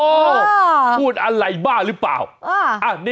โอ๊ยคุณพูดอะไรบ้าหรือเปล่าอ่ะ